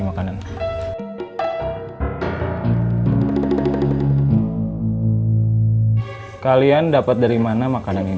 bang jangan dibuang bang